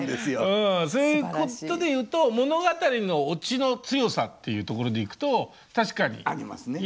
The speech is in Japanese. そういうことでいうと物語のオチの強さっていうところでいくと確かにいいですねこれ。